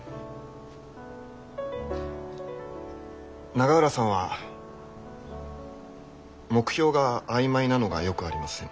永浦さんは目標が曖昧なのがよくありません。